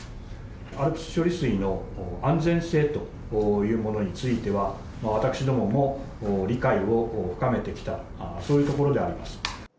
ＡＬＰＳ処理水の安全性というものについては、私どもも理解を深めてきた、そういうところであります。